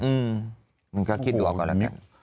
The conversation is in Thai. มึงก็คิดดูเอาก่อนแล้วกัน